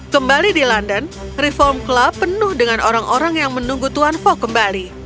kembali di london reform club penuh dengan orang orang yang menunggu tuan fok kembali